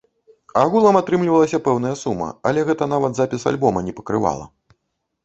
Агулам атрымлівалася пэўная сума, але гэта нават запіс альбома не пакрывала.